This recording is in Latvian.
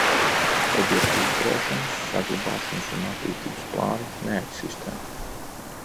Objekta uzturēšanas, saglabāšanas un attīstības plāni neeksistē.